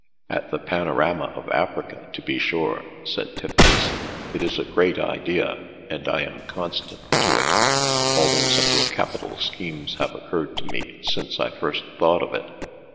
"At the panorama of Africa, to be sure," said Tiffles. "It is a great idea, and I am constant to it, although several capital schemes have occurred to me since I first thought of it.